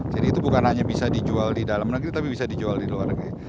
jadi itu bukan hanya bisa dijual di dalam negeri tapi bisa dijual di luar negeri